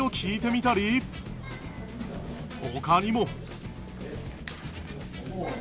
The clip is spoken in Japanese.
他にも